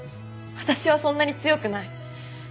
私はそんなに強くない。